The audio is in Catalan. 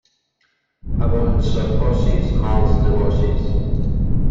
A bons ocis, mals negocis.